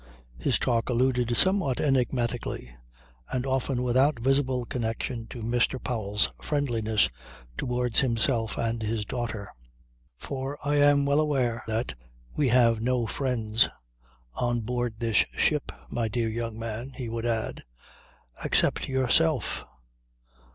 His talk alluded somewhat enigmatically and often without visible connection to Mr. Powell's friendliness towards himself and his daughter. "For I am well aware that we have no friends on board this ship, my dear young man," he would add, "except yourself.